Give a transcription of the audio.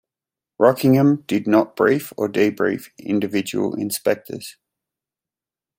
Rockingham did not brief or debrief individual inspectors.